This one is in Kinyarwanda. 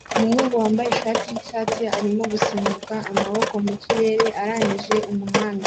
umuhungu wambaye ishati yicyatsi arimo gusimbuka amaboko mu kirere arangije umuhanda